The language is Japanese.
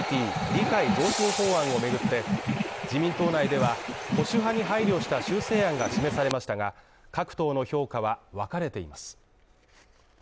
理解増進法案を巡って、自民党内では、保守派に配慮した修正案が示されましたが、各党の評価はわかれています。